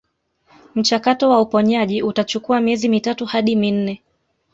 Mchakato wa uponyaji utachukua miezi mitatu hadi minne